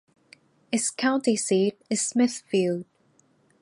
Its county seat is Smithfield.